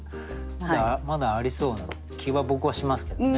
まだありそうな気は僕はしますけどね。